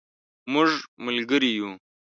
مونږ ملګری یو